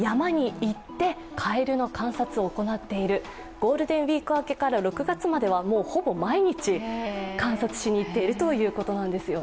ゴールデンウイーク明けから６月まではほぼ毎日観察しにいっているということなんですよね。